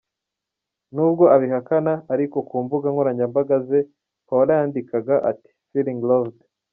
N’ubwo abihakana ariko ku mbuga nkoranyambaga ze, Paola yandikaga ati "Feeling Loved" .